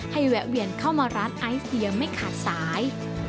แวะเวียนเข้ามาร้านไอซ์เฮียไม่ขาดสาย